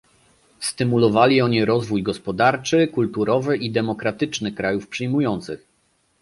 Stymulowali oni rozwój gospodarczy, kulturowy i demokratyczny krajów przyjmujących